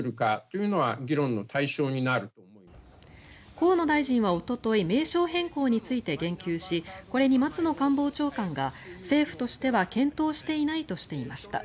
河野大臣はおととい名称変更について言及しこれに松野官房長官が政府としては検討していないとしていました。